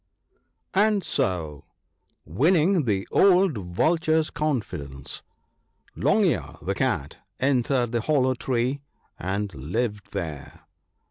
35 1 And so, winning the old Vulture's confidence, Long ear, the Cat, entered the hollow tree and lived there.